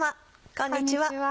こんにちは。